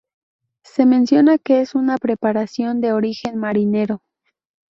Se menciona que es una preparación de origen marinero.